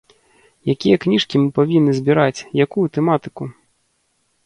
Якія кніжкі мы павінны збіраць, якую тэматыку?